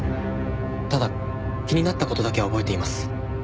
ただ気になった事だけは覚えています。